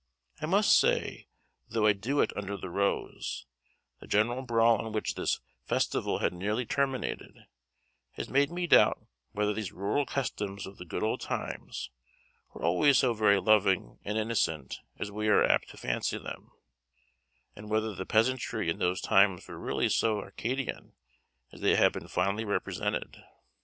I must say, though I do it under the rose, the general brawl in which this festival had nearly terminated, has made me doubt whether these rural customs of the good old times were always so very loving and innocent as we are apt to fancy them; and whether the peasantry in those times were really so Arcadian as they have been fondly represented.